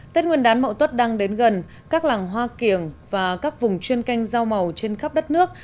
tết nguyên đán mậu tuất đang đến gần các làng hoa kiểng và các vùng chuyên canh rau màu trên khắp đất nước